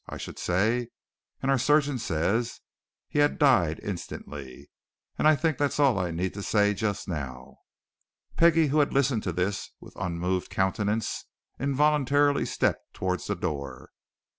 I should say and our surgeon says he had died instantly. And I think that's all I need say just now." Peggie, who had listened to this with unmoved countenance, involuntarily stepped towards the door.